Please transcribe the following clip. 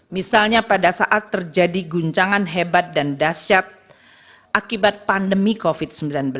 misalnya pada saat terjadi guncangan hebat dan dasyat akibat pandemi covid sembilan belas